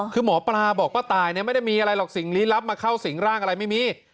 คือหมอปลาบอกป้าตายไม่ได้มีอะไรหรอกสิ่งลี้ลับมาเข้าสิงร่างอะไรไม่มี